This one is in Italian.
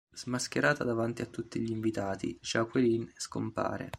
Smascherata davanti a tutti gli invitati, Jacqueline scompare.